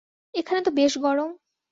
এখানে তো বেশ গরম।